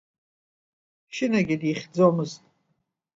Шьынагьы дихьӡомызт.